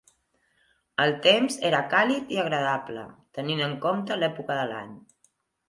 El temps era càlid i agradable, tenint en compte l'època de l'any.